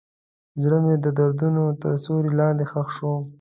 زړه مې د دردونو تر سیوري لاندې ښخ شو.